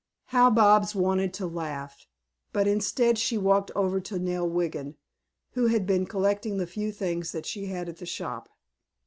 How Bobs wanted to laugh, but instead she walked over to Nell Wiggin, who had been collecting the few things that she had at the shop.